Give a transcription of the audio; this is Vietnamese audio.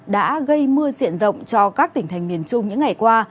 đã gây mưa diện rộng cho các tỉnh thành miền trung những ngày qua